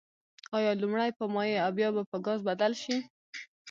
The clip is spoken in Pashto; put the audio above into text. آیا لومړی په مایع او بیا به په ګاز بدل شي؟